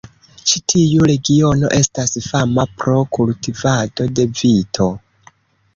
Ĉi tiu regiono estas fama pro kultivado de vito.